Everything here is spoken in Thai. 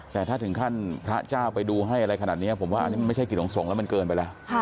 แต่ถ้าถึงขั้นพระเจ้าไปดูให้อะไรขนาดนี้ผมว่าอันนี้มันไม่ใช่กิจของสงฆ์แล้วมันเกินไปแล้ว